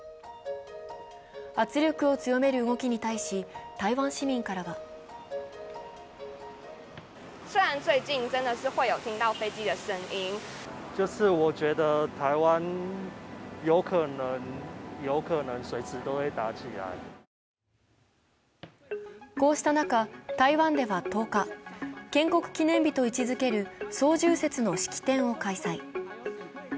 圧力を強める動きに対し、台湾市民からはこうした中、台湾では１０日、建国記念日と位置づける双十節の式典を開催。